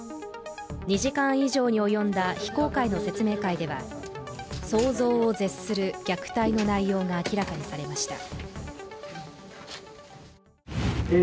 ２時間以上に及んだ非公開の説明会では想像を絶する虐待の内容が明らかにされました。